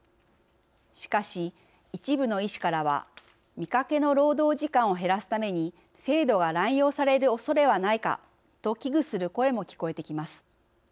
しかし、一部の医師からは見かけの労働時間を減らすために制度が乱用されるおそれはないかと危ぐする声も聞こえてきます。